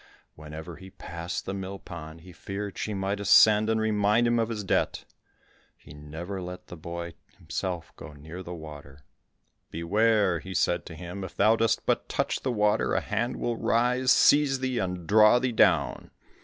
Whenever he passed the mill pond, he feared she might ascend and remind him of his debt. He never let the boy himself go near the water. "Beware," he said to him, "if thou dost but touch the water, a hand will rise, seize thee, and draw thee down."